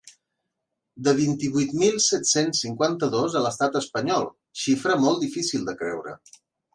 De vint-i-vuit mil set-cents cinquanta-dos a l’estat espanyol –xifra molt difícil de creure.